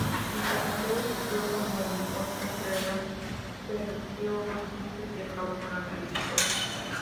El pasajero sufrió conmoción cerebral, perdió dos dientes y acabó con la nariz rota.